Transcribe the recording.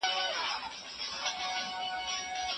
د باطل له لاري د مال لاسته راوړل ګناه ده.